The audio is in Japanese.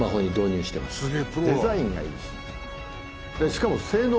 しかも。